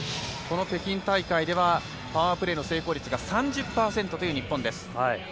この北京大会ではパワープレーの成功率が３０％という日本です。